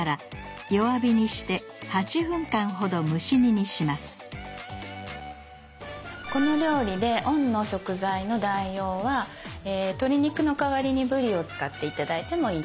そしてこの料理で「温」の食材の代用は鶏肉の代わりにぶりを使って頂いてもいいと思います。